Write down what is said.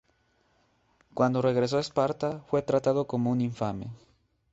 Cuando regresó a Esparta, fue tratado como un infame.